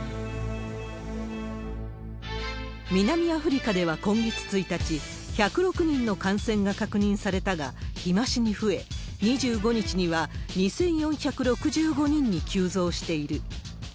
南アフリカでは今月１日、１０６人の感染が確認されたが、日増しに増え、２５日には２４６５人に急増している。